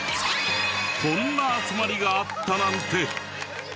こんな集まりがあったなんて！